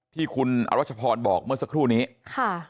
ที่คุณอรัชพรบอกเมื่อสักครู่นี้ค่ะ